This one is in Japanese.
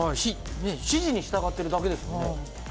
指示に従ってるだけですからね。